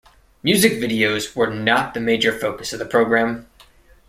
Music videos were not the major focus of the program.